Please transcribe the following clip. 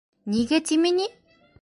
Нигә тиме ни?